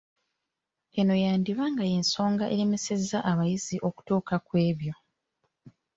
Eno yandiba nga y’ensonga eremesa abayizi okutuuka ku ebyo